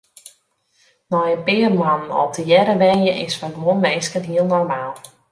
Nei in pear moannen al tegearre wenje is foar guon minsken hiel normaal.